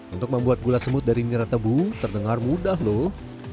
untuk membuat gula semut dari nira tebu terdengar mudah loh